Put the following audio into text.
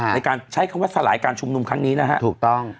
ในการใช้คำว่าสลายการชุมนุมครั้งนี้นะฮะถูกต้อง